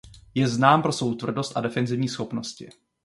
Je znám pro svou tvrdost a defenzivní schopnosti.